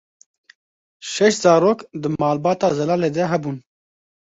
Şeş zarok di malbata Zelalê de hebûn.